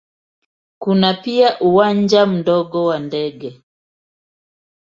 Kuna pia uwanja mdogo wa ndege.